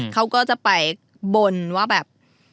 เขาก็จะไปบนว่าแบบ